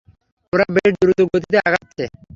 ওরা বেশ দ্রুত গতিতে আগাচ্ছে।